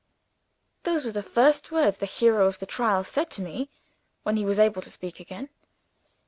Those were the first words the Hero of the Trial said to me, when he was able to speak again!